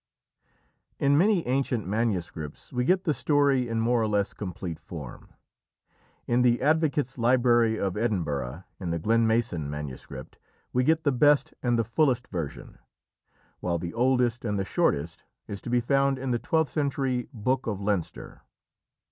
In many ancient manuscripts we get the story in more or less complete form. In the Advocates' Library of Edinburgh, in the Glenmasan MS. we get the best and the fullest version, while the oldest and the shortest is to be found in the twelfth century Book of Leinster.